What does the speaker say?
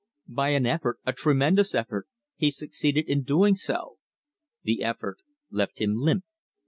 By an effort, a tremendous effort, he succeeded in doing so. The effort left him limp.